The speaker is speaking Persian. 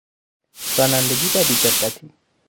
رانندگی با بیدقتی